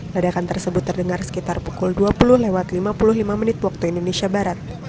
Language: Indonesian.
ledakan tersebut terdengar sekitar pukul dua puluh lewat lima puluh lima menit waktu indonesia barat